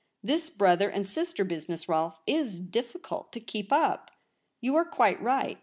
This brother and sister business, Rolfe, is difficult to keep up. You are quite right.